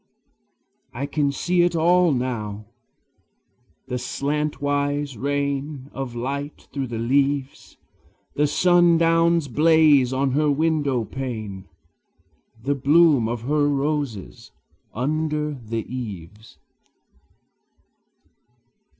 I can see it all now, the slantwise rain Of light through the leaves, The sundown's blaze on her window pane, The bloom of her roses under the eaves.